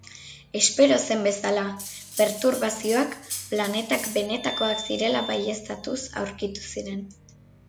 Espero zen bezala, perturbazioak planetak benetakoak zirela baieztatuz aurkitu ziren.